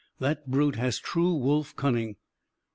That brute has true wolf cunning."